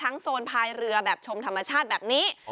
โซนพายเรือแบบชมธรรมชาติแบบนี้